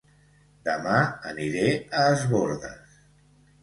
Dema aniré a Es Bòrdes